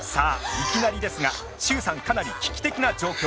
いきなりですが徐さんかなり危機的な状況！